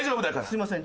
すみません。